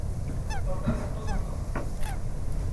Hortaz, oso ondo.